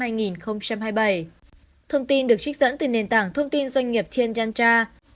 thông tin được trích dẫn từ nền tảng thông tin doanh nghiệp tianyangcha